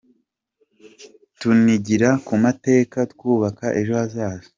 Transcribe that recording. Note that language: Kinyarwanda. tunigira ku mateka twubaka ejo hazaza,.